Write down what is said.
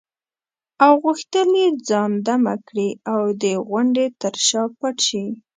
او غوښتل یې ځان دمه کړي او د غونډې تر شا پټ شي.